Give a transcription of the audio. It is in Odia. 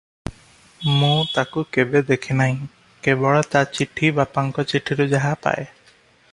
ମୁଁ ତାକୁ କେବେ ଦେଖି ନାହିଁ- କେବଳ ତା' ଚିଠି ବାପାଙ୍କ ଚିଠିରୁ ଯାହା ପାଏ ।